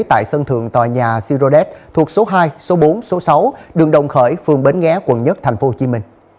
tại sân thượng tòa nhà sirodet thuộc số hai số bốn số sáu đường đồng khởi phường bến nghé quận một tp hcm